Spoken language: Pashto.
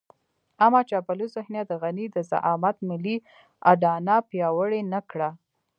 اما چاپلوس ذهنيت د غني د زعامت ملي اډانه پياوړې نه کړه.